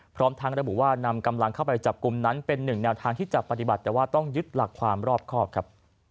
พร้อมทั้งระบุว่านำกำลังเข้าไปจับกลุ่มนั้นเป็นหนึ่งแนวทางที่จะปฏิบัติแต่ว่าต้องยึดหลักความรอบครอบครับ